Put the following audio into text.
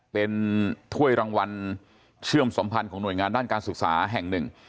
เป็นถ้วยรางวัลเชื่อมสมพันธ์ของหน่วยงานด้านการศึกษาแห่งหนึ่ง